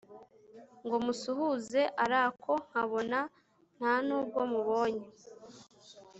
ngo musuhuze arako nkabona ntanubwomubonye